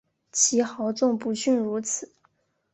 其豪纵不逊如此。